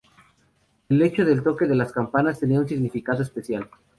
El hecho del toque de las campanas tenía un significado especial.